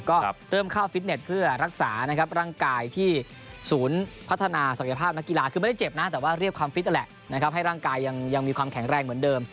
ก็เริ่มเข้าฟิตเน็ตเพื่อรักษานะครับร่างกายที่ศูนย์พัฒนาศักยภาพนักกีฬาคือไม่ได้เจ็บนะแต่ว่าเรียกความฟิตนั่นแหละนะครับให้ร่างกายยังมีความแข็งแรงเหมือนเดิม